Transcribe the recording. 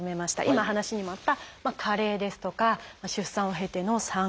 今話にもあった「加齢」ですとか出産を経ての「産後」。